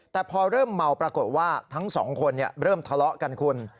แต่พอเริ่มเมาปรากฏว่าทั้งสองคนเริ่มทะเลาะกันคุณ